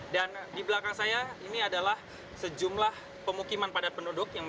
dan di belakang saya ini adalah sejumlah pemukiman padat penduduk